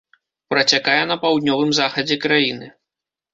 Працякае на паўднёвым захадзе краіны.